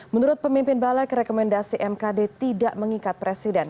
menurut pemimpin balek rekomendasi mkd tidak mengikat presiden